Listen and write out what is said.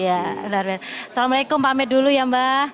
assalamualaikum pamit dulu ya mbak